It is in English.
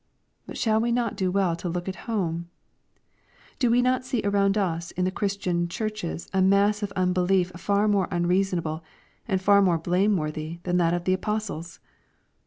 But shall we no*; do well to look at home ? Do we not see around us in the Christian Churches a mass of unbelief far more un reasonable and far more blameworthy than that of the apostles